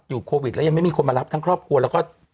โควิดแล้วยังไม่มีคนมารับทั้งครอบครัวแล้วก็